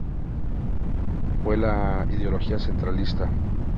Fue de ideología centralista.